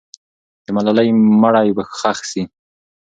د ملالۍ مړی به ښخ سي.